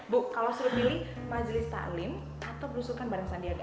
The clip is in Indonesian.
bu kalau sudah pilih majelis ta'lim atau berusukan bareng sandiaga